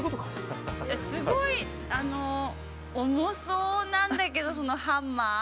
◆すごい重そうなんだけど、そのハンマー。